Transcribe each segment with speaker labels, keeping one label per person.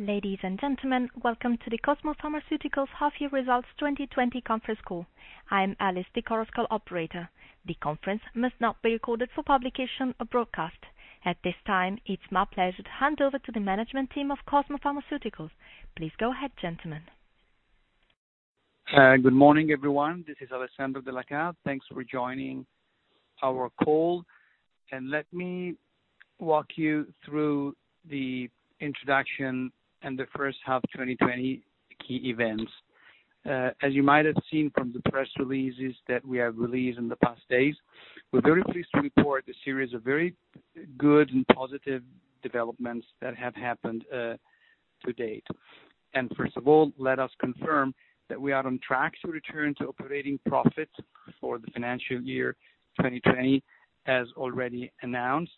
Speaker 1: Ladies and gentlemen, welcome to the Cosmo Pharmaceuticals Half Year Results 2020 conference call. I am Alice, the conference call operator. The conference must not be recorded for publication or broadcast. At this time, it's my pleasure to hand over to the management team of Cosmo Pharmaceuticals. Please go ahead, gentlemen.
Speaker 2: Good morning, everyone. This is Alessandro Della Chà. Thanks for joining our call, and let me walk you through the introduction and the first half 2020 key events. As you might have seen from the press releases that we have released in the past days, we're very pleased to report a series of very good and positive developments that have happened to date. First of all, let us confirm that we are on track to return to operating profit for the financial year 2020, as already announced,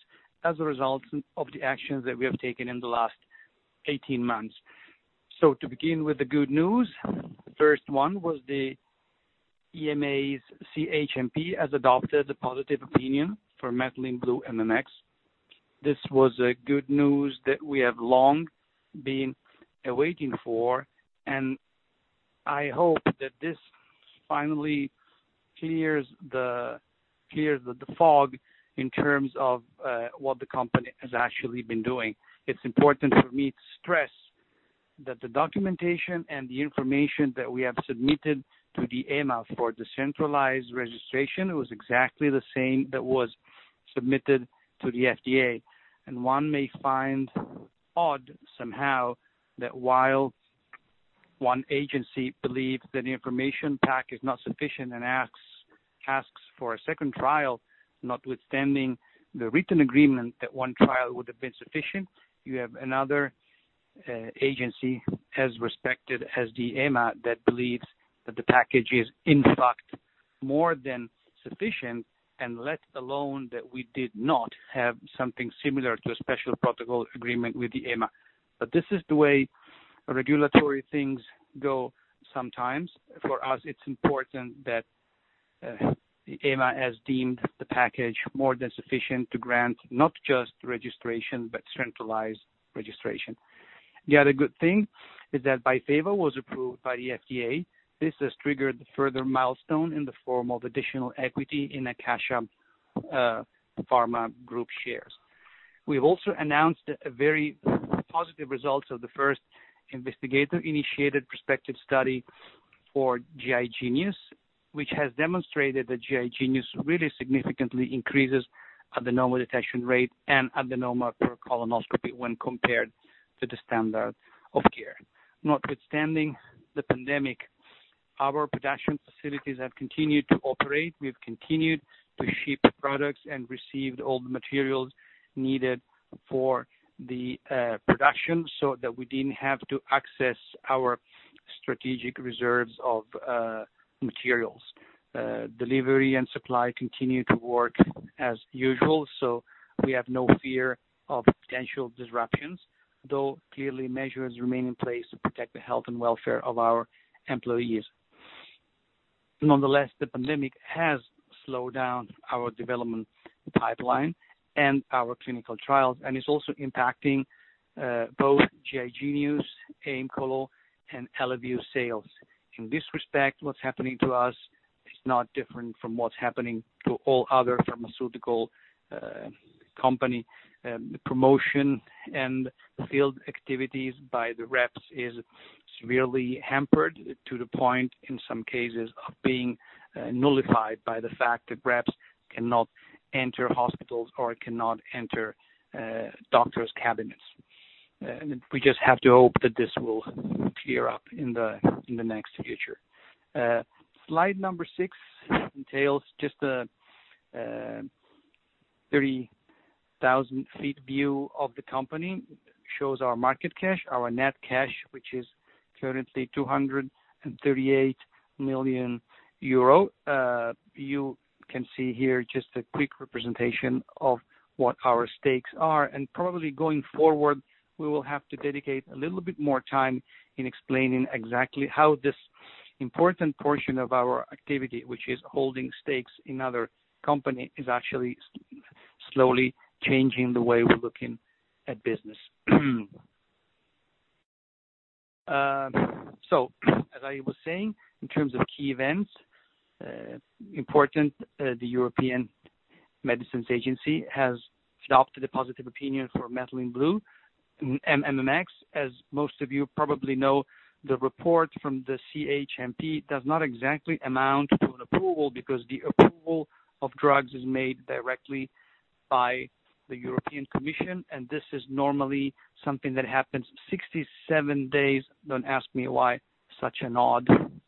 Speaker 2: as a result of the actions that we have taken in the last 18 months. To begin with the good news, the first one was the EMA's CHMP has adopted a positive opinion for Methylene Blue MMX. This was good news that we have long been waiting for. I hope that this finally clears the fog in terms of what the company has actually been doing. It's important for me to stress that the documentation and the information that we have submitted to the EMA for the centralized registration was exactly the same that was submitted to the FDA. One may find odd somehow that while one agency believes that the information pack is not sufficient and asks for a second trial, notwithstanding the written agreement that one trial would have been sufficient, you have another agency, as respected as the EMA, that believes that the package is, in fact, more than sufficient and let alone that we did not have something similar to a Special Protocol Assessment with the EMA. This is the way regulatory things go sometimes. For us, it's important that EMA has deemed the package more than sufficient to grant not just registration, but centralized registration. The other good thing is that BYFAVO was approved by the FDA. This has triggered a further milestone in the form of additional equity in Acacia Pharma Group shares. We've also announced a very positive result of the first investigator-initiated prospective study for GI Genius, which has demonstrated that GI Genius really significantly increases adenoma detection rate and adenoma per colonoscopy when compared to the standard of care. Notwithstanding the pandemic, our production facilities have continued to operate. We've continued to ship products and received all the materials needed for the production so that we didn't have to access our strategic reserves of materials. Delivery and supply continue to work as usual, so we have no fear of potential disruptions, though clearly measures remain in place to protect the health and welfare of our employees. Nonetheless, the pandemic has slowed down our development pipeline and our clinical trials, and is also impacting both GI Genius, Aemcolo, and Eleview sales. In this respect, what's happening to us is not different from what's happening to all other pharmaceutical company. Promotion and field activities by the reps is severely hampered to the point, in some cases, of being nullified by the fact that reps cannot enter hospitals or cannot enter doctors' cabinets. We just have to hope that this will clear up in the near future. Slide number six entails just a 30,000-feet view of the company. It shows our market cash, our net cash, which is currently 238 million euro. You can see here just a quick representation of what our stakes are. Probably going forward, we will have to dedicate a little bit more time in explaining exactly how this important portion of our activity, which is holding stakes in other company, is actually slowly changing the way we're looking at business. As I was saying, in terms of key events, important, the European Medicines Agency has adopted a positive opinion for Methylene Blue MMX. As most of you probably know, the report from the CHMP does not exactly amount to an approval because the approval of drugs is made directly by the European Commission, and this is normally something that happens 67 days, don't ask me why such an odd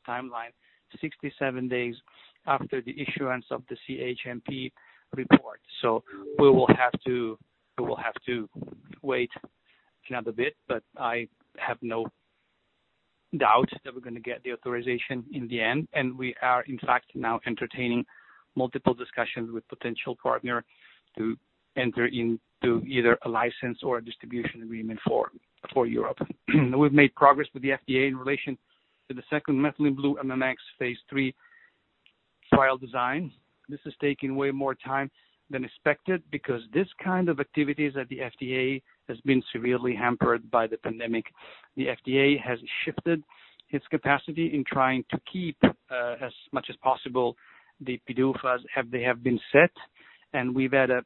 Speaker 2: timeline, 67 days after the issuance of the CHMP report. We will have to wait another bit, but I have no doubt that we're going to get the authorization in the end. We are, in fact, now entertaining multiple discussions with potential partner to enter into either a license or a distribution agreement for Europe. We've made progress with the FDA in relation to the second Methylene Blue MMX Phase III trial design. This has taken way more time than expected because this kind of activities at the FDA has been severely hampered by the pandemic. The FDA has shifted its capacity in trying to keep, as much as possible, the PDUFAs have they have been set, and we've had, I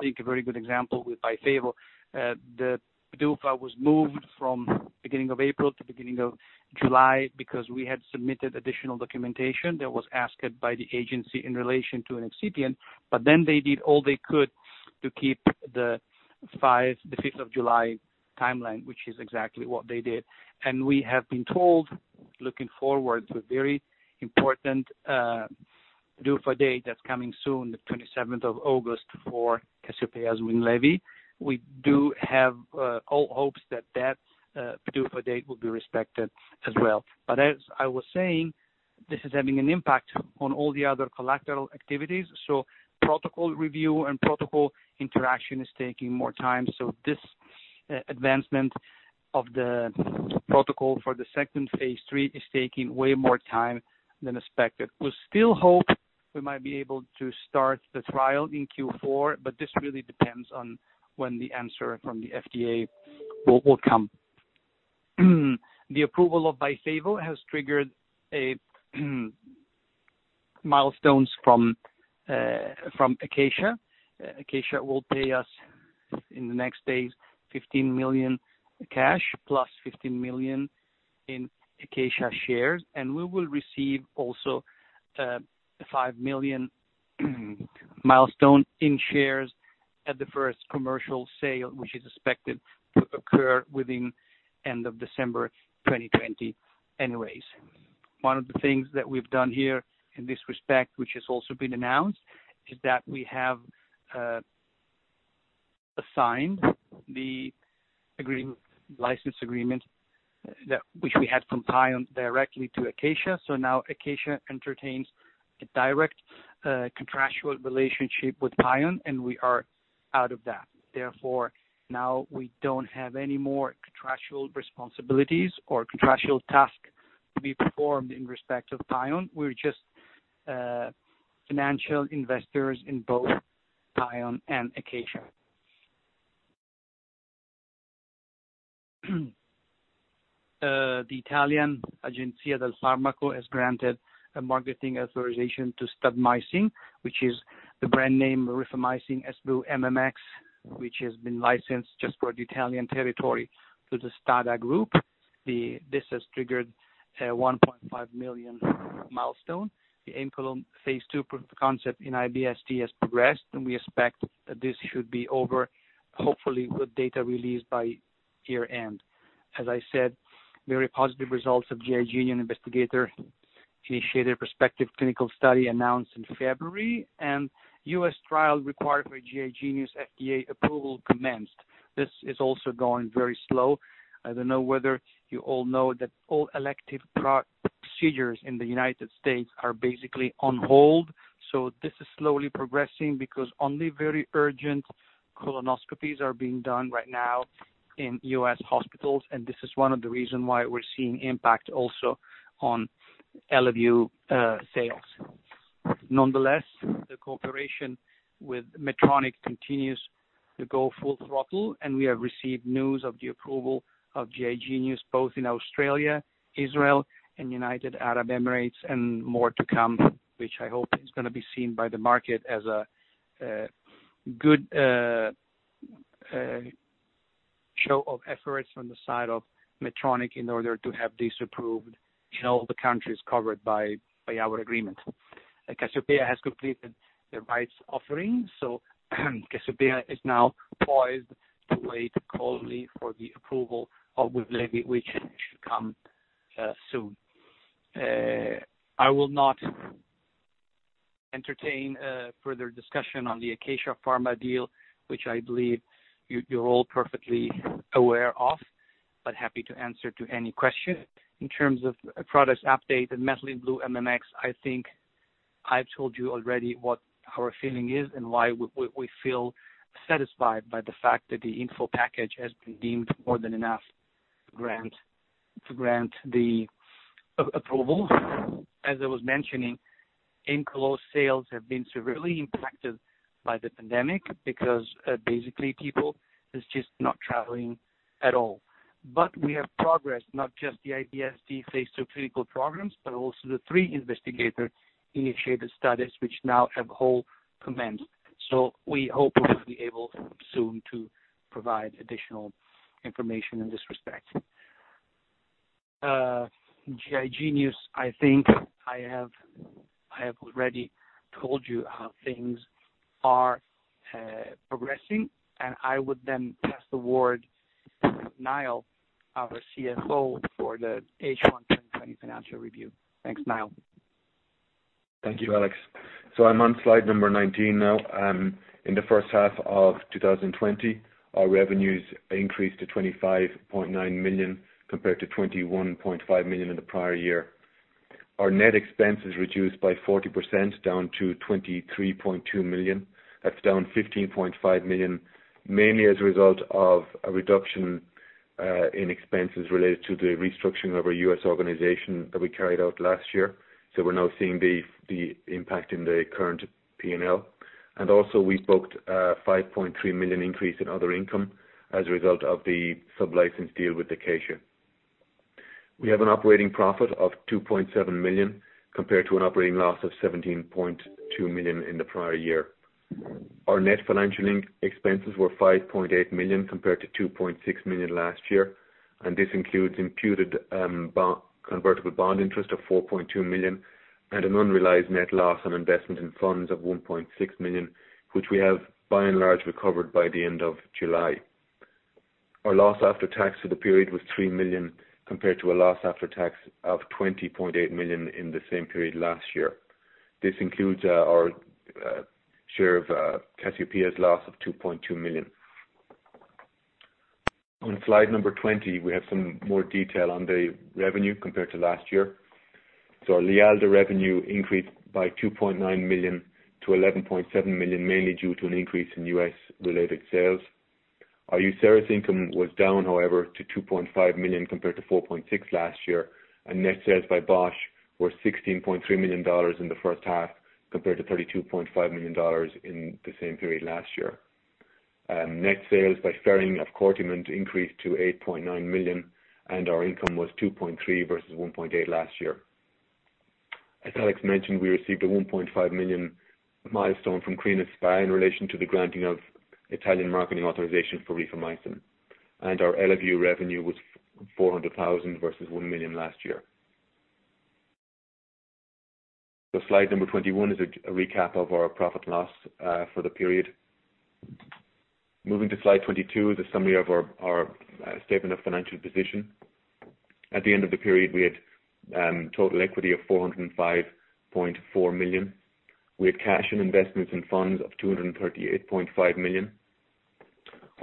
Speaker 2: think, a very good example with BYFAVO. The PDUFA was moved from beginning of April to beginning of July because we had submitted additional documentation that was asked by the agency in relation to an excipient. They did all they could to keep the 5th of July timeline, which is exactly what they did. We have been told, looking forward to a very important PDUFA date that's coming soon, the 27th of August for Cassiopea's WINLEVI. We do have all hopes that that PDUFA date will be respected as well. As I was saying, this is having an impact on all the other collateral activities, protocol review and protocol interaction is taking more time. This advancement of the protocol for the second Phase III is taking way more time than expected. We still hope we might be able to start the trial in Q4, but this really depends on when the answer from the FDA will come. The approval of BYFAVO has triggered a milestones from Acacia. Acacia will pay us in the next days 15 million cash plus 15 million in Acacia shares. We will receive also 5 million milestone in shares at the first commercial sale, which is expected to occur within end of December 2020 anyways. One of the things that we've done here in this respect, which has also been announced, is that we have assigned the license agreement which we had from PAION directly to Acacia. Now Acacia entertains a direct contractual relationship with PAION. We are out of that. Therefore, now we don't have any more contractual responsibilities or contractual tasks to be performed in respect of PAION. We're just financial investors in both PAION and Acacia. The Italian Agenzia Italiana del Farmaco has granted a marketing authorization to Stadmycin, which is the brand name Rifamycin SV MMX, which has been licensed just for the Italian territory to the STADA Group. This has triggered a 1.5 million milestone. The Aemcolo Phase II proof of concept in IBS-D has progressed, and we expect that this should be over, hopefully with data released by year-end. As I said, very positive results of GI Genius investigator-initiated prospective clinical study announced in February, and U.S. trial required for GI Genius FDA approval commenced. This is also going very slow. I don't know whether you all know that all elective procedures in the United States are basically on hold. This is slowly progressing because only very urgent colonoscopies are being done right now in U.S. hospitals, and this is one of the reason why we're seeing impact also on Eleview sales. Nonetheless, the cooperation with Medtronic continues to go full throttle, and we have received news of the approval of GI Genius both in Australia, Israel, and United Arab Emirates, and more to come, which I hope is going to be seen by the market as a good show of efforts from the side of Medtronic in order to have this approved in all the countries covered by our agreement. Cassiopea has completed the rights offering, so Cassiopea is now poised to wait coldly for the approval of WINLEVI, which should come soon. I will not entertain further discussion on the Acacia Pharma deal, which I believe you're all perfectly aware of, but happy to answer to any question. In terms of products update and Methylene Blue MMX, I think I've told you already what our feeling is and why we feel satisfied by the fact that the info package has been deemed more than enough to grant the approval. As I was mentioning, Aemcolo's sales have been severely impacted by the pandemic because basically people is just not traveling at all. We have progressed, not just the IBS-D Phase II clinical programs, but also the three investigator-initiated studies which now have all commenced. We hope we will be able soon to provide additional information in this respect. GI Genius, I think I have already told you how things are progressing, and I would then pass the word to Niall, our CFO, for the H1 2020 financial review. Thanks, Niall.
Speaker 3: Thank you, Alex. I'm on Slide number 19 now. In the first half of 2020, our revenues increased to 25.9 million compared to 21.5 million in the prior year. Our net expense is reduced by 40% down to 23.2 million. That's down 15.5 million, mainly as a result of a reduction in expenses related to the restructuring of our U.S. organization that we carried out last year. We're now seeing the impact in the current P&L. We booked a 5.3 million increase in other income as a result of the sub-license deal with Acacia. We have an operating profit of 2.7 million, compared to an operating loss of 17.2 million in the prior year. Our net financial expenses were 5.8 million compared to 2.6 million last year. This includes imputed convertible bond interest of 4.2 million and an unrealized net loss on investment in funds of 1.6 million, which we have by and large recovered by the end of July. Our loss after tax for the period was 3 million, compared to a loss after tax of 20.8 million in the same period last year. This includes our share of Cassiopea's loss of 2.2 million. On Slide number 20, we have some more detail on the revenue compared to last year. Our Lialda revenue increased by 2.9 million to 11.7 million, mainly due to an increase in U.S.-related sales. Our UCERIS income was down, however, to 2.5 million compared to 4.6 last year. Net sales by Bausch were $16.3 million in the first half compared to $32.5 million in the same period last year. Net sales by Ferring of CORTIMENT increased to 8.9 million. Our income was 2.3 versus 1.8 last year. As Alex mentioned, we received a 1.5 million milestone from Crinos SpA in relation to the granting of Italian marketing authorization for rifamycin. Our Eleview revenue was 400,000 versus 1 million last year. Slide number 21 is a recap of our profit and loss for the period. Moving to Slide 22 is a summary of our statement of financial position. At the end of the period, we had total equity of 405.4 million. We had cash in investments and funds of 238.5 million.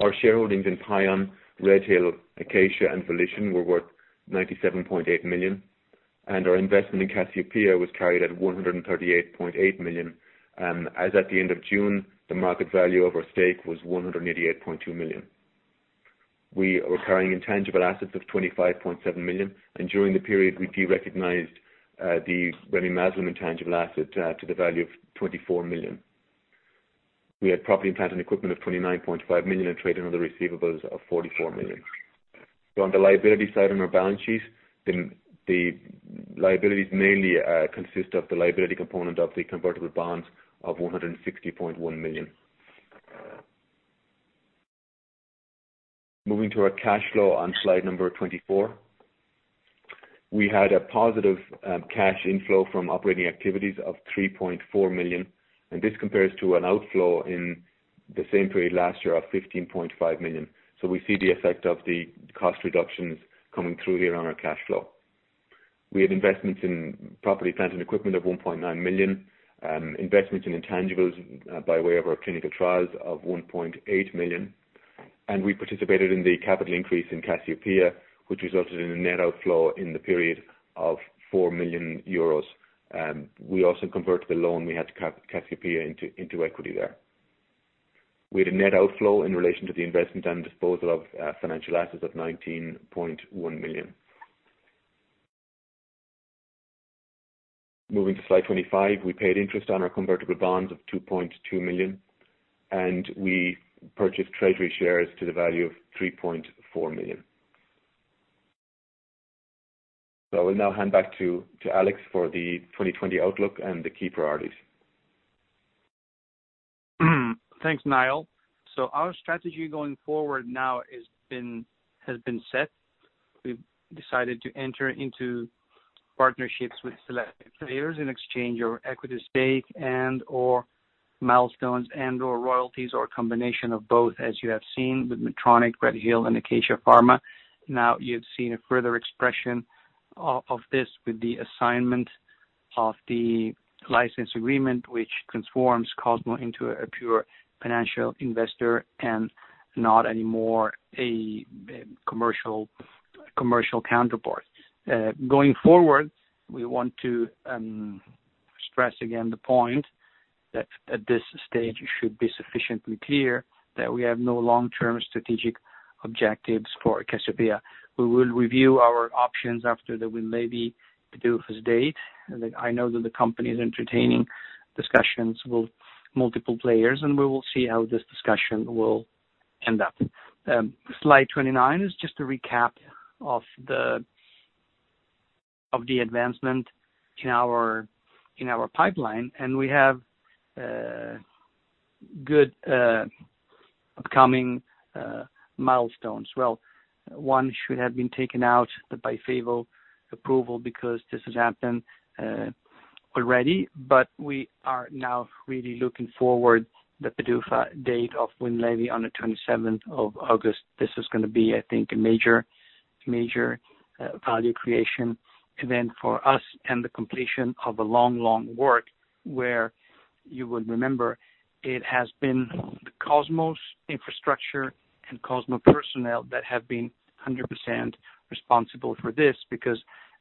Speaker 3: Our shareholdings in PAION, RedHill, Acacia and VolitionRx were worth 97.8 million, and our investment in Cassiopea was carried at 138.8 million. As at the end of June, the market value of our stake was 188.2 million. We are carrying intangible assets of 25.7 million, and during the period we derecognized the remimazolam intangible asset to the value of 24 million. We had property, plant and equipment of 29.5 million and trade and other receivables of 44 million. On the liability side on our balance sheets, the liabilities mainly consist of the liability component of the convertible bonds of 160.1 million. Moving to our cash flow on Slide number 24. We had a positive cash inflow from operating activities of 3.4 million, and this compares to an outflow in the same period last year of 15.5 million. We see the effect of the cost reductions coming through here on our cash flow. We had investments in property, plant and equipment of 1.9 million, investments in intangibles by way of our clinical trials of 1.8 million. We participated in the capital increase in Cassiopea, which resulted in a net outflow in the period of 4 million euros. We also converted the loan we had to Cassiopea into equity there. We had a net outflow in relation to the investment and disposal of financial assets of 19.1 million. Moving to Slide 25, we paid interest on our convertible bonds of 2.2 million, and we purchased treasury shares to the value of 3.4 million. I will now hand back to Alex for the 2020 outlook and the key priorities.
Speaker 2: Thanks, Niall. Our strategy going forward now has been set. We've decided to enter into partnerships with selected players in exchange or equity stake and/or milestones and/or royalties or a combination of both, as you have seen with Medtronic, RedHill and Acacia Pharma. You've seen a further expression of this with the assignment of the license agreement, which conforms Cosmo into a pure financial investor and not any more a commercial counterpart. Going forward, we want to stress again the point that at this stage it should be sufficiently clear that we have no long-term strategic objectives for Cassiopea. We will review our options after the WINLEVI PDUFA date, and I know that the company is entertaining discussions with multiple players, and we will see how this discussion will end up. Slide 29 is just a recap of the advancement in our pipeline, and we have good upcoming milestones. Well, one should have been taken out, the BYFAVO approval because this has happened already. We are now really looking toward the PDUFA date of WINLEVI on the 27th of August. This is going to be, I think, a major value creation event for us and the completion of a long work where you will remember it has been the Cosmo's infrastructure and Cosmo personnel that have been 100% responsible for this because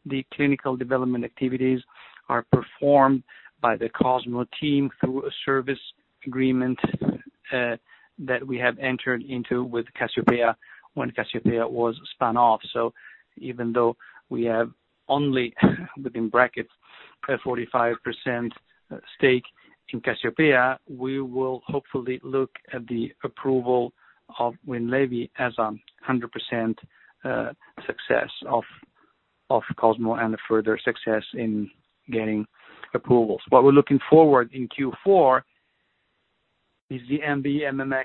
Speaker 2: the clinical development activities are performed by the Cosmo team through a service agreement that we have entered into with Cassiopea when Cassiopea was spun off. Even though we have only, within brackets, a 45% stake in Cassiopea, we will hopefully look at the approval of WINLEVI as a 100% success of Cosmo and a further success in getting approvals. What we're looking forward in Q4 is the MB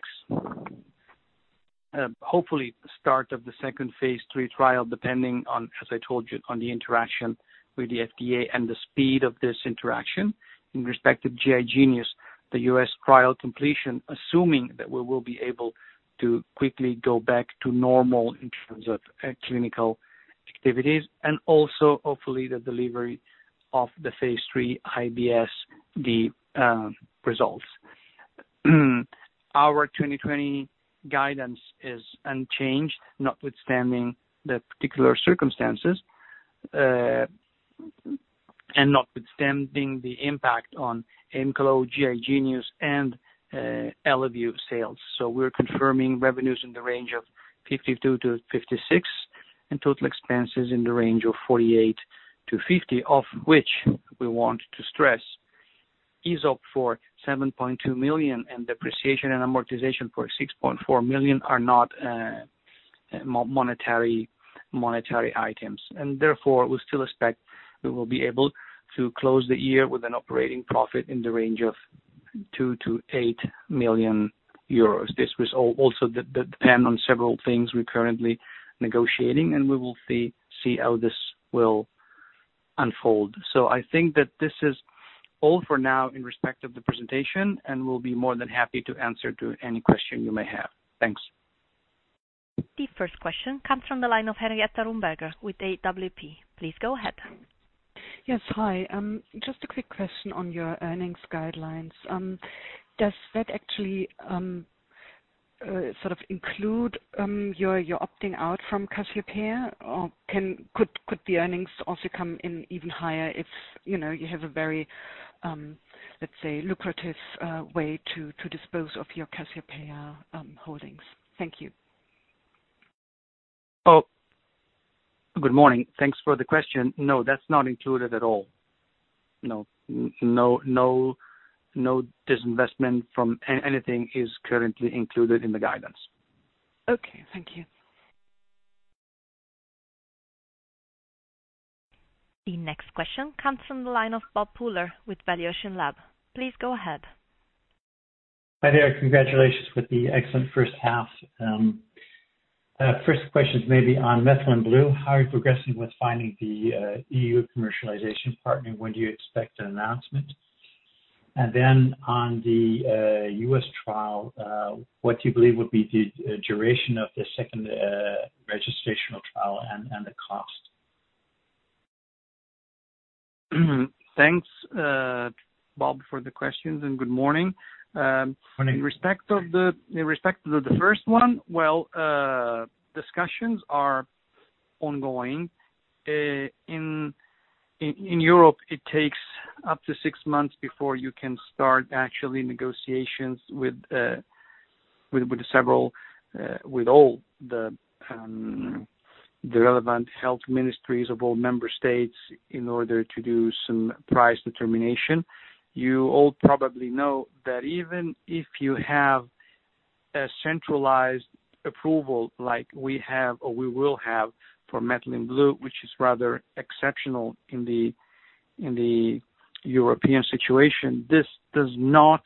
Speaker 2: MMX, hopefully the start of the second Phase III trial, depending on, as I told you, on the interaction with the FDA and the speed of this interaction. In respect to GI Genius, the U.S. trial completion, assuming that we will be able to quickly go back to normal in terms of clinical activities, and also hopefully the delivery of the Phase III IBS-D results. Our 2020 guidance is unchanged, notwithstanding the particular circumstances, and notwithstanding the impact on Aemcolo, GI Genius, and Eleview sales. We're confirming revenues in the range of 52 million-56 million and total expenses in the range of 48 million-50 million, of which we want to stress is OpEx for 7.2 million and depreciation and amortization for 6.4 million are not monetary items. Therefore, we still expect we will be able to close the year with an operating profit in the range of 2 million-8 million euros. This will also depend on several things we're currently negotiating, and we will see how this will unfold. I think that this is all for now in respect of the presentation, and we'll be more than happy to answer to any question you may have. Thanks.
Speaker 1: The first question comes from the line of Henrietta Rumberger with AWP. Please go ahead.
Speaker 4: Yes. Hi. Just a quick question on your earnings guidelines. Does that actually sort of include your opting out from Cassiopea, or could the earnings also come in even higher if you have a very, let's say, lucrative way to dispose of your Cassiopea holdings? Thank you.
Speaker 2: Good morning. Thanks for the question. No, that's not included at all. No disinvestment from anything is currently included in the guidance.
Speaker 4: Okay. Thank you.
Speaker 1: The next question comes from the line of Bob Pooler with valuationLAB. Please go ahead.
Speaker 5: Hi there. Congratulations with the excellent first half. First question is maybe on Methylene Blue. How are you progressing with finding the EU commercialization partner? When do you expect an announcement? On the U.S. trial, what do you believe would be the duration of the second registrational trial and the cost?
Speaker 2: Thanks, Bob, for the questions. Good morning.
Speaker 5: Morning.
Speaker 2: In respect to the first one, well, discussions are ongoing. In Europe, it takes up to six months before you can start actually negotiations with all the relevant health ministries of all member states in order to do some price determination. You all probably know that even if you have a centralized approval like we have or we will have for Methylene Blue, which is rather exceptional in the European situation, this does not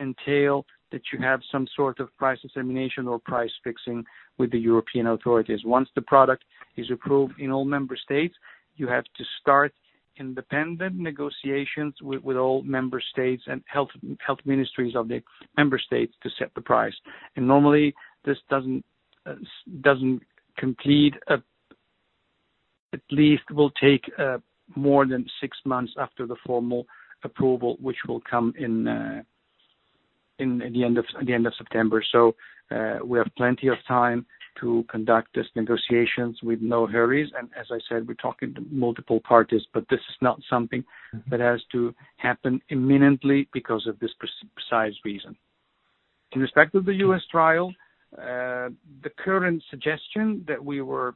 Speaker 2: entail that you have some sort of price determination or price fixing with the European authorities. Once the product is approved in all member states, you have to start independent negotiations with all member states and health ministries of the member states to set the price. Normally, this doesn't complete. It at least will take more than six months after the formal approval, which will come in the end of September. We have plenty of time to conduct these negotiations with no hurries. As I said, we're talking to multiple parties, but this is not something that has to happen imminently because of this precise reason. In respect of the U.S. trial, the current suggestion that we were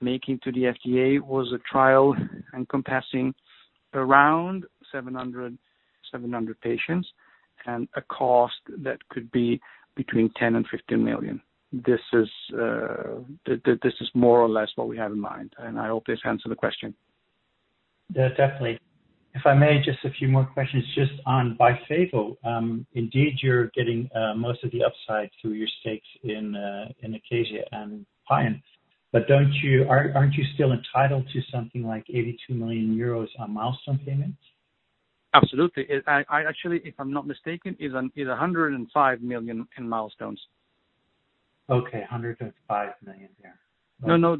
Speaker 2: making to the FDA was a trial encompassing around 700 patients and a cost that could be between 10 million and 15 million. This is more or less what we have in mind, and I hope this answered the question.
Speaker 5: Yeah, definitely. If I may, just a few more questions just on BYFAVO. Indeed, you're getting most of the upside through your stakes in Acacia and PAION. Aren't you still entitled to something like 82 million euros on milestone payments?
Speaker 2: Absolutely. Actually, if I'm not mistaken, it's 105 million in milestones.
Speaker 5: Okay, 105 million. Yeah.
Speaker 2: No.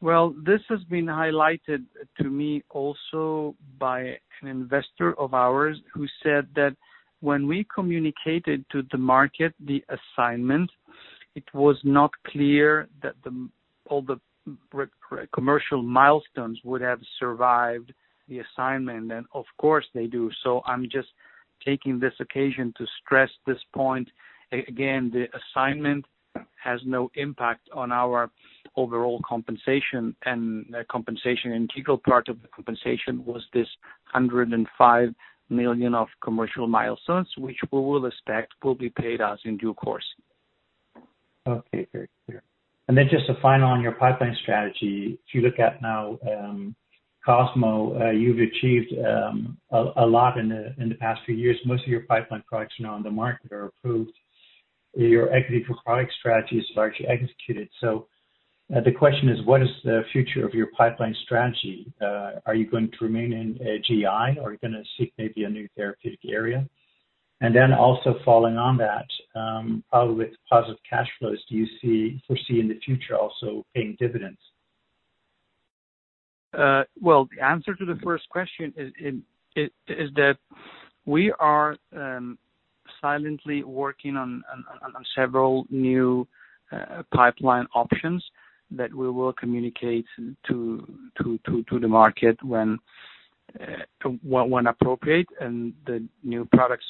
Speaker 2: Well, this has been highlighted to me also by an investor of ours who said that when we communicated to the market the assignment. It was not clear that all the commercial milestones would have survived the assignment, and of course they do. I'm just taking this occasion to stress this point. Again, the assignment has no impact on our overall compensation. A critical part of the compensation was this 105 million of commercial milestones, which we will expect will be paid us in due course.
Speaker 5: Okay. Great. Clear. Just a final on your pipeline strategy. If you look at now, Cosmo, you've achieved a lot in the past few years. Most of your pipeline products are now on the market or approved. Your equity for product strategies is largely executed. The question is, what is the future of your pipeline strategy? Are you going to remain in GI, or are you going to seek maybe a new therapeutic area? Also following on that, probably with positive cash flows, do you foresee in the future also paying dividends?
Speaker 2: Well, the answer to the first question is that we are silently working on several new pipeline options that we will communicate to the market when appropriate. The new projects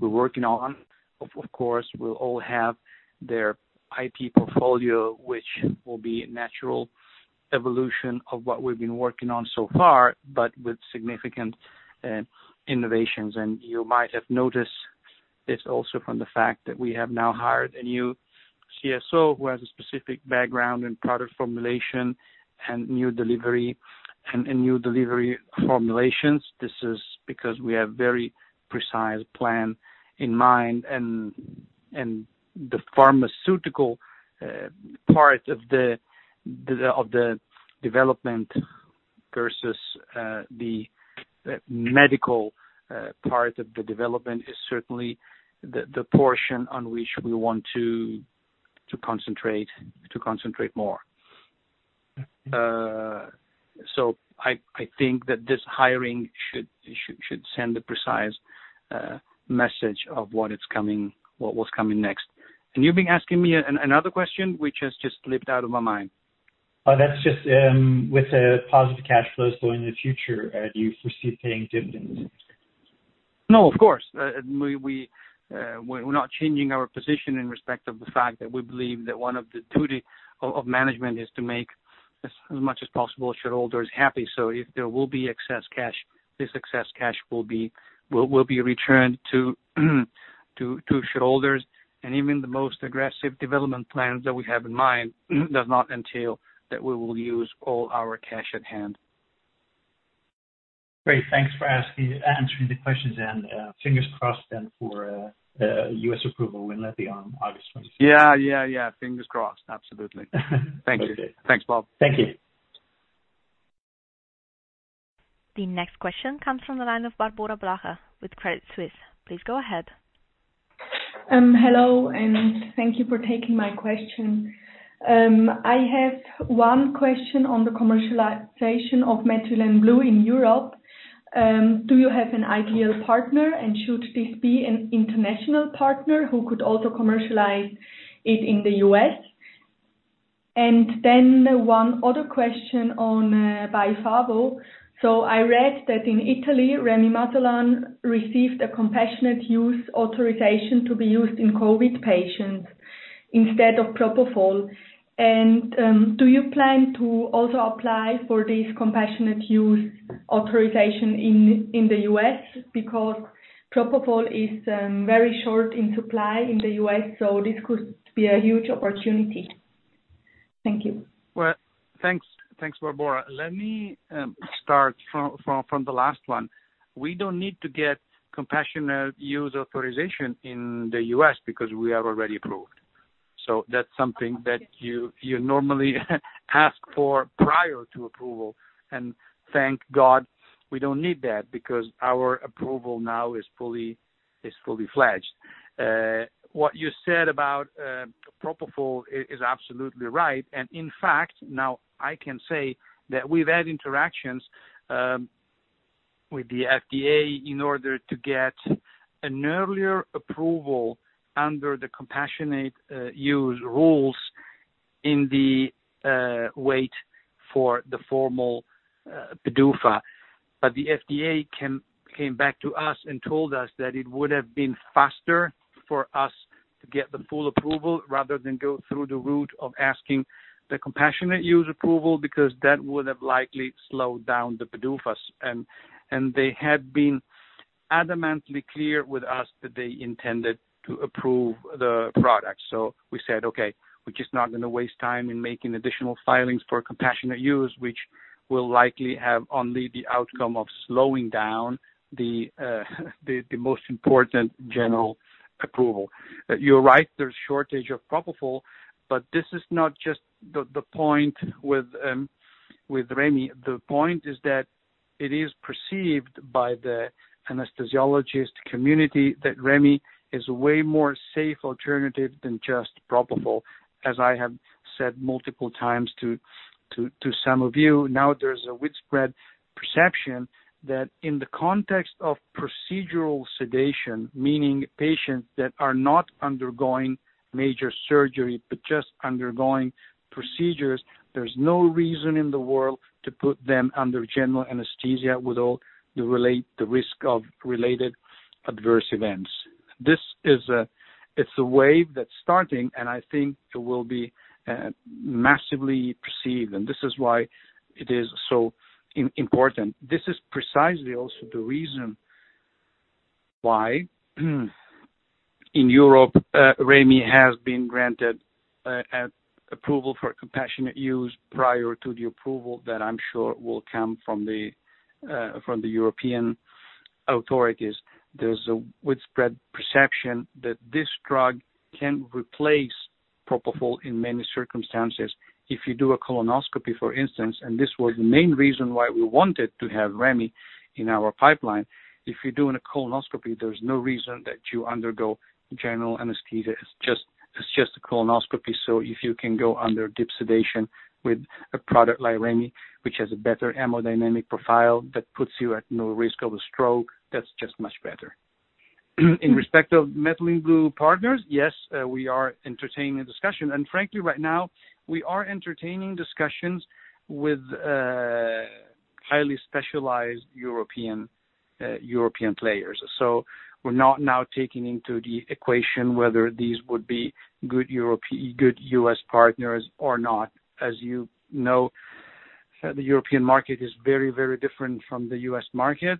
Speaker 2: we're working on, of course, will all have their IP portfolio, which will be a natural evolution of what we've been working on so far, but with significant innovations. You might have noticed this also from the fact that we have now hired a new CSO who has a specific background in product formulation and new delivery formulations. This is because we have very precise plan in mind and the pharmaceutical part of the development versus the medical part of the development is certainly the portion on which we want to concentrate more.
Speaker 5: Okay.
Speaker 2: I think that this hiring should send a precise message of what's coming next. You've been asking me another question, which has just slipped out of my mind.
Speaker 5: That's just, with the positive cash flows going into the future, do you foresee paying dividends?
Speaker 2: No, of course. We're not changing our position in respect of the fact that we believe that one of the duties of management is to make as much as possible shareholders happy. If there will be excess cash, this excess cash will be returned to shareholders. Even the most aggressive development plans that we have in mind does not entail that we will use all our cash at hand.
Speaker 5: Great. Thanks for answering the questions, and fingers crossed then for U.S. approval when that be on August 27th.
Speaker 2: Yeah. Fingers crossed. Absolutely.
Speaker 5: Okay.
Speaker 2: Thank you. Thanks, Bob.
Speaker 5: Thank you.
Speaker 1: The next question comes from the line of Barbora Blaha with Credit Suisse. Please go ahead.
Speaker 6: Hello, and thank you for taking my question. I have one question on the commercialization of methylene blue in Europe. Do you have an ideal partner, should this be an international partner who could also commercialize it in the U.S.? One other question on BYFAVO. I read that in Italy, remimazolam received a compassionate use authorization to be used in COVID patients instead of propofol. Do you plan to also apply for this compassionate use authorization in the U.S.? Propofol is very short in supply in the U.S., this could be a huge opportunity. Thank you.
Speaker 2: Well, thanks, Barbora. Let me start from the last one. We don't need to get compassionate use authorization in the U.S. because we are already approved. That's something that you normally ask for prior to approval. Thank God we don't need that because our approval now is fully fledged. What you said about propofol is absolutely right. In fact, now i can say that we've had interactions with the FDA in order to get an earlier approval under the compassionate use rules in the wait for the formal PDUFA. The FDA came back to us and told us that it would have been faster for us to get the full approval rather than go through the route of asking the compassionate use approval, because that would have likely slowed down the PDUFAs. They had been adamantly clear with us that they intended to approve the product. We said, "Okay, we're just not going to waste time in making additional filings for compassionate use," which will likely have only the outcome of slowing down the most important general approval. You're right, there's shortage of propofol, this is not just the point with Remi. The point is that it is perceived by the anesthesiologist community that Remi is a way more safe alternative than just propofol, as I have said multiple times to some of you. There's a widespread perception that in the context of procedural sedation, meaning patients that are not undergoing major surgery but just undergoing procedures, there's no reason in the world to put them under general anesthesia with all the risk of related adverse events. It's a wave that's starting, and I think it will be massively perceived, and this is why it is so important. This is precisely also the reason why, in Europe, remimazolam has been granted approval for compassionate use prior to the approval that I'm sure will come from the European authorities. There's a widespread perception that this drug can replace propofol in many circumstances. If you do a colonoscopy, for instance, and this was the main reason why we wanted to have remimazolam in our pipeline. If you're doing a colonoscopy, there's no reason that you undergo general anesthesia. It's just a colonoscopy. If you can go under deep sedation with a product like remimazolam, which has a better hemodynamic profile that puts you at no risk of a stroke, that's just much better. In respect of methylene blue partners, yes, we are entertaining a discussion. Frankly, right now we are entertaining discussions with highly specialized European players. We're not now taking into the equation whether these would be good U.S. partners or not. As you know, the European market is very different from the U.S. market.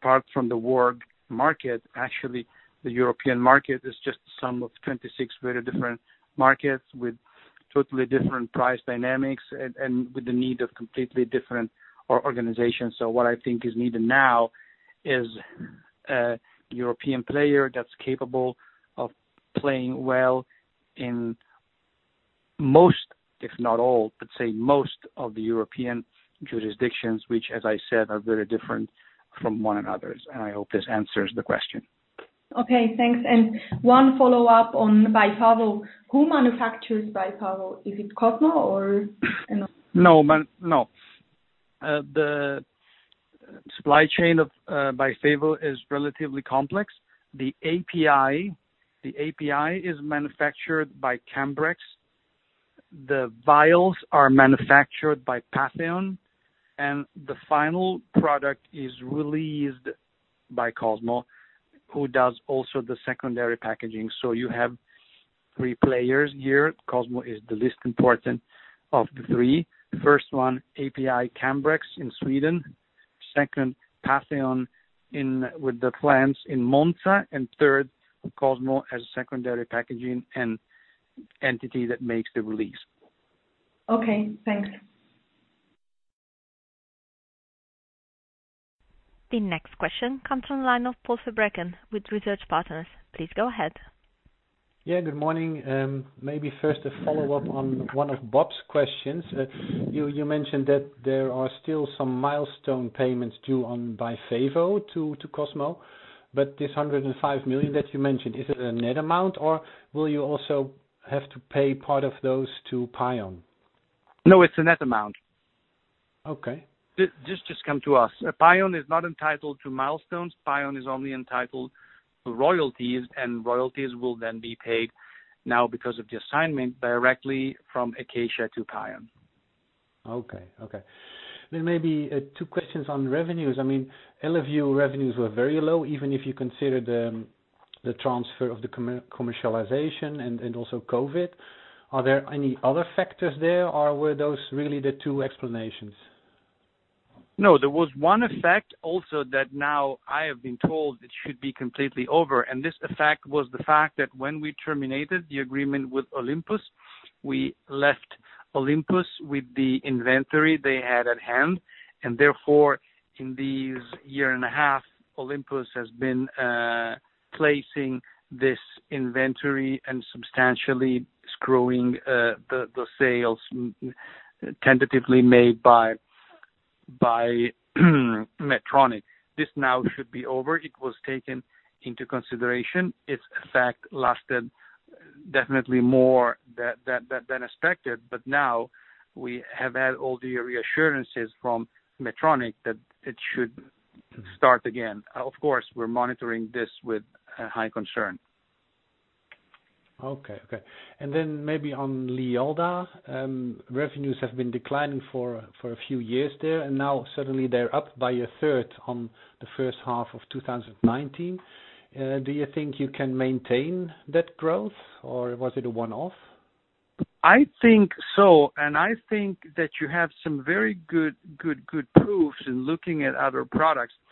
Speaker 2: Apart from the world market, actually, the European market is just the sum of 26 very different markets with totally different price dynamics and with the need of completely different organizations. What I think is needed now is a European player that's capable of playing well in most, if not all, but say most of the European jurisdictions, which, as I said, are very different from one another's. I hope this answers the question.
Speaker 6: Okay, thanks. One follow-up on BYFAVO. Who manufactures BYFAVO? Is it Cosmo or another-
Speaker 2: No. The supply chain of BYFAVO is relatively complex. The API is manufactured by Cambrex, the vials are manufactured by Patheon, and the final product is released by Cosmo, who does also the secondary packaging. You have three players here. Cosmo is the least important of the three. First one, API Cambrex in Sweden, second Patheon with the plants in Monza, and third, Cosmo as secondary packaging and entity that makes the release.
Speaker 6: Okay, thanks.
Speaker 1: The next question comes from the line of Paul Verbruggen with Research Partners. Please go ahead.
Speaker 7: Yeah, good morning. Maybe first a follow-up on one of Bob's questions. You mentioned that there are still some milestone payments due on BYFAVO to Cosmo. This 105 million that you mentioned, is it a net amount, or will you also have to pay part of those to PAION?
Speaker 2: No, it's a net amount.
Speaker 7: Okay.
Speaker 2: This just come to us. PAION is not entitled to milestones. PAION is only entitled to royalties, and royalties will then be paid now because of the assignment directly from Acacia to PAION.
Speaker 7: Okay. Maybe two questions on revenues. Eleview revenues were very low, even if you consider the transfer of the commercialization and also COVID. Are there any other factors there, or were those really the two explanations?
Speaker 2: No, there was one effect also that now I have been told it should be completely over. This effect was the fact that when we terminated the agreement with Olympus, we left Olympus with the inventory they had at hand. Therefore, in these year and a half, Olympus has been placing this inventory and substantially screwing the sales tentatively made by Medtronic. This now should be over. It was taken into consideration. Its effect lasted definitely more than expected. Now we have had all the reassurances from Medtronic that it should start again. Of course, we're monitoring this with high concern.
Speaker 7: Okay. Maybe on LIALDA. Revenues have been declining for a few years there, and now suddenly they're up by a third on the first half of 2019. Do you think you can maintain that growth, or was it a one-off?
Speaker 2: I think so. I think that you have some very good proofs in looking at other products that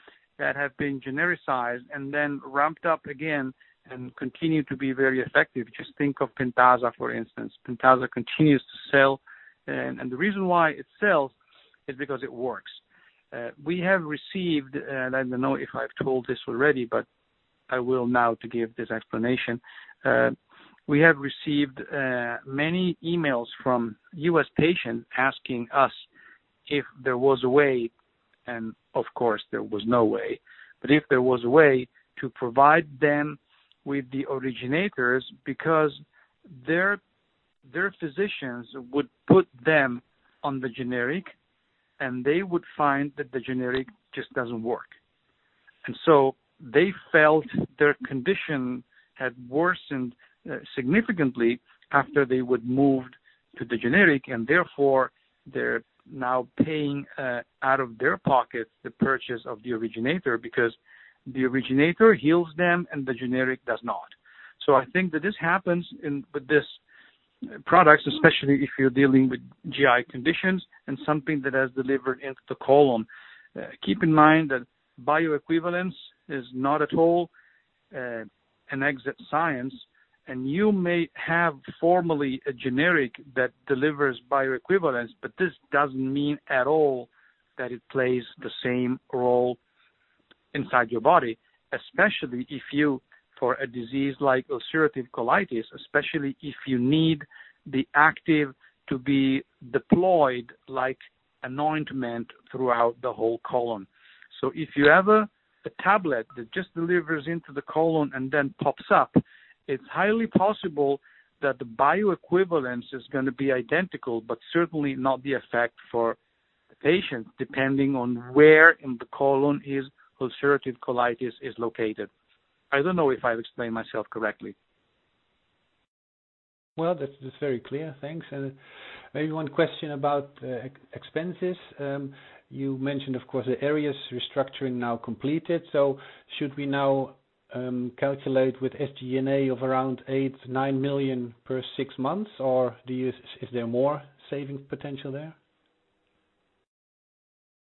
Speaker 2: have been genericized and then ramped up again and continue to be very effective. Just think of PENTASA, for instance. PENTASA continues to sell. The reason why it sells is because it works. We have received, and I don't know if I've told this already, but I will now to give this explanation. We have received many emails from U.S. patients asking us if there was a way, and of course, there was no way. If there was a way to provide them with the originators because Their physicians would put them on the generic, and they would find that the generic just doesn't work. They felt their condition had worsened significantly after they moved to the generic, therefore, they're now paying out of their pocket the purchase of the originator because the originator heals them and the generic does not. I think that this happens with these products, especially if you're dealing with GI conditions and something that has delivered into the colon. Keep in mind that bioequivalence is not at all an exact science, and you may have formally a generic that delivers bioequivalence, but this doesn't mean at all that it plays the same role inside your body, especially if you, for a disease like ulcerative colitis, especially if you need the active to be deployed like an ointment throughout the whole colon. If you have a tablet that just delivers into the colon and then pops up, it's highly possible that the bioequivalence is going to be identical, but certainly not the effect for the patient, depending on where in the colon his ulcerative colitis is located. I don't know if I've explained myself correctly.
Speaker 7: Well, that's very clear. Thanks. Maybe one question about expenses. You mentioned, of course, the areas restructuring now completed. Should we now calculate with SG&A of around 8 million, 9 million per six months? Is there more savings potential there?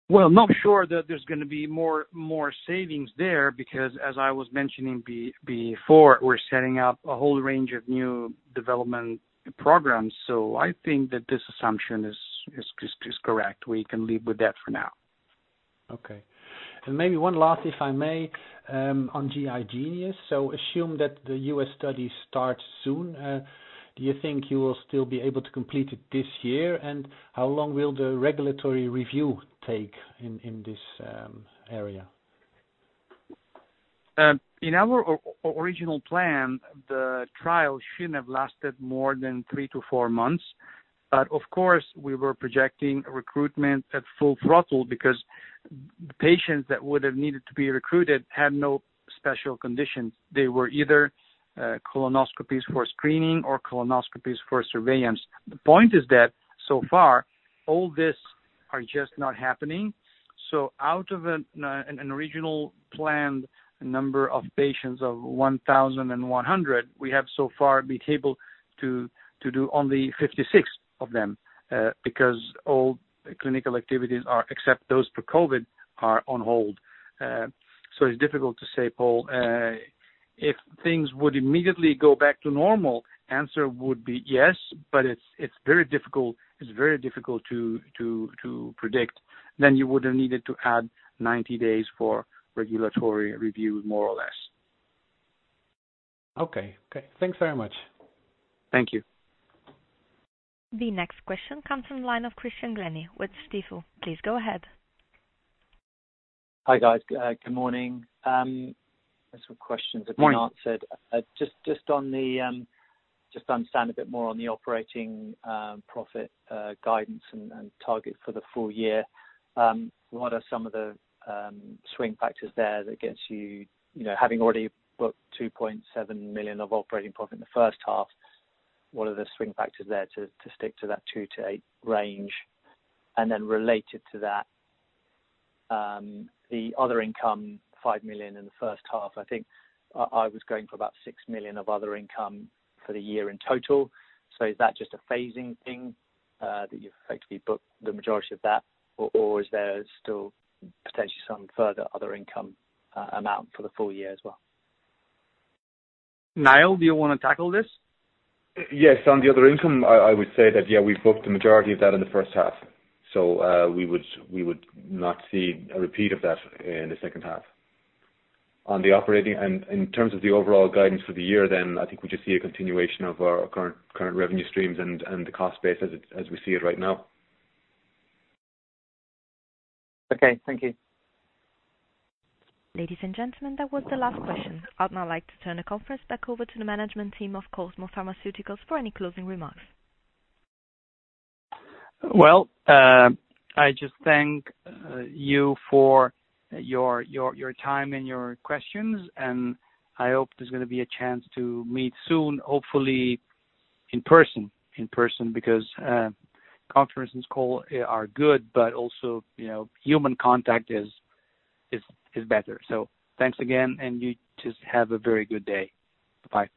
Speaker 2: Well, not sure that there's going to be more savings there because, as I was mentioning before, we're setting up a whole range of new development programs. I think that this assumption is correct. We can leave with that for now.
Speaker 7: Okay. Maybe one last, if I may, on GI Genius. Assume that the U.S. study starts soon. Do you think you will still be able to complete it this year? How long will the regulatory review take in this area?
Speaker 2: In our original plan, the trial shouldn't have lasted more than three to four months. Of course, we were projecting recruitment at full throttle because patients that would have needed to be recruited had no special conditions. They were either colonoscopies for screening or colonoscopies for surveillance. The point is that so far, all this are just not happening. Out of an original planned number of patients of 1,100, we have so far been able to do only 56 of them. Because all clinical activities are, except those for COVID, are on hold. It's difficult to say, Paul. If things would immediately go back to normal, answer would be yes, but it's very difficult to predict. You would have needed to add 90 days for regulatory review, more or less.
Speaker 7: Okay. Thanks very much.
Speaker 2: Thank you.
Speaker 1: The next question comes from the line of Christian Glennie with Stifel. Please go ahead.
Speaker 8: Hi, guys. Good morning.
Speaker 2: Morning
Speaker 8: have been answered. To understand a bit more on the operating profit guidance and target for the full year. What are some of the swing factors there that gets you, having already booked 2.7 million of operating profit in the first half, what are the swing factors there to stick to that 2 million-8 million range? Related to that, the other income, 5 million in the first half, I think I was going for about 6 million of other income for the year in total. Is that just a phasing thing that you've effectively booked the majority of that, or is there still potentially some further other income amount for the full year as well?
Speaker 2: Niall, do you want to tackle this?
Speaker 3: Yes. On the other income, I would say that, yeah, we've booked the majority of that in the first half. We would not see a repeat of that in the second half. In terms of the overall guidance for the year then, I think we just see a continuation of our current revenue streams and the cost base as we see it right now.
Speaker 8: Okay. Thank you.
Speaker 1: Ladies and gentlemen, that was the last question. I'd now like to turn the conference back over to the management team of Cosmo Pharmaceuticals for any closing remarks.
Speaker 2: I just thank you for your time and your questions. I hope there's going to be a chance to meet soon, hopefully in person, because conferences call are good. Also human contact is better. Thanks again. You just have a very good day. Bye.